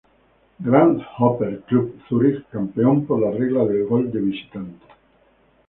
Grasshopper Club Zürich campeón por la regla del gol de visitante.